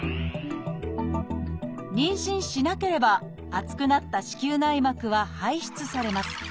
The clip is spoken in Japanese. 妊娠しなければ厚くなった子宮内膜は排出されます。